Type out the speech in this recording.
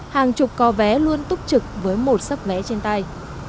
hàng chục có vé luôn túc trực với một sắp vé trên tay